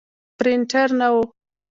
پرنټر نه و.